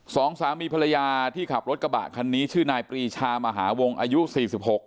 สองสามีภรรยาที่ขับรถกระบะคันนี้ชื่อนายปรีชามหาวงอายุสี่สิบหก